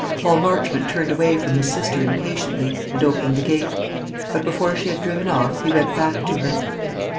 Paul Marchmont turned away from his sister impatiently, and opened the gate; but before she had driven off, he went back to her.